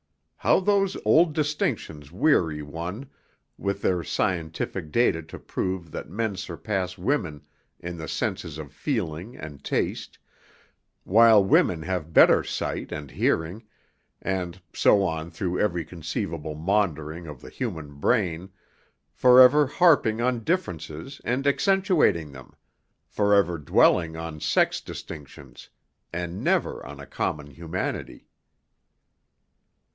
How those old distinctions weary one, with their scientific data to prove that men surpass women in the senses of feeling and taste, while women have better sight and hearing, and so on through every conceivable maundering of the human brain, forever harping on differences and accentuating them, forever dwelling on sex distinctions and never on a common humanity."